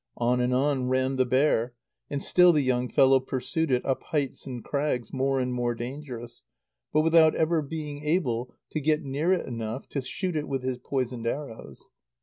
On and on ran the bear, and still the young fellow pursued it up heights and crags more and more dangerous, but without ever being able to get near enough to shoot it with his poisoned arrows.